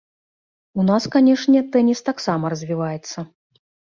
У нас, канешне, тэніс таксама развіваецца.